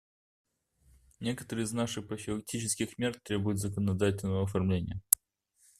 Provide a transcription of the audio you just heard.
Некоторые из наших профилактических мер требуют законодательного оформления.